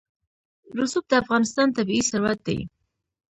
رسوب د افغانستان طبعي ثروت دی.